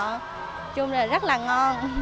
nói chung là rất là ngon